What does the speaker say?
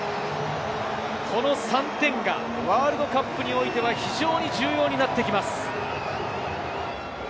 この３点がワールドカップにおいては非常に重要になってきます。